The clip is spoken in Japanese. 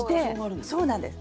そうなんです。